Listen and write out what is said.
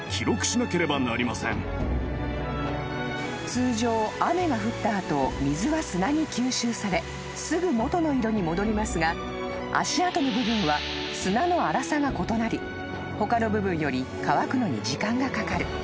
［通常雨が降った後水は砂に吸収されすぐ元の色に戻りますが足跡の部分は砂の粗さが異なり他の部分より乾くのに時間がかかる］